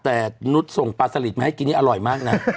แต่นุฯส่งปลาสลิดไหมให้กินอร่อยมากน่ะ